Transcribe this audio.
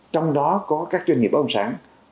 trong đó có các doanh nghiệp ông sản